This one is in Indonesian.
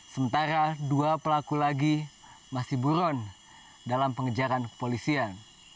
sementara dua pelaku lagi masih buron dalam pengejaran kepolisian